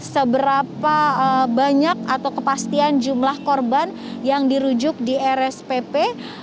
seberapa banyak atau kepastian jumlah korban yang dirujuk di rspp